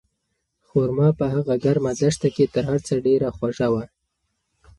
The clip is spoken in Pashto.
خورما په هغه ګرمه دښته کې تر هر څه ډېره خوږه وه.